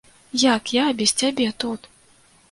Як я без цябе тут?